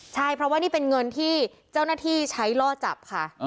ใช่เพราะว่านี่เป็นเงินที่เจ้าหน้าที่ใช้ล่อจับค่ะ